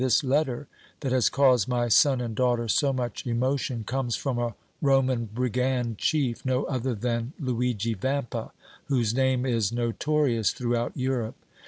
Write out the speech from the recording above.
This letter that has caused my son and daughter so much emotion comes from a Roman brigand chief, no other than Luigi Vampa, whose name is notorious throughout Europe.